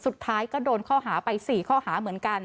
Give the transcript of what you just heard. สุดท้ายก็โดนข้อหาไป๔ข้อหาเหมือนกัน